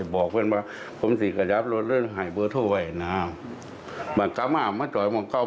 บอกว่าห้องขยับแล้วกับอันดังหน้า